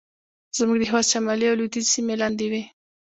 زموږ د هېواد شمالي او لوېدیځې سیمې یې لاندې وې.